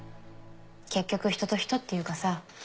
結局人と人っていうかさ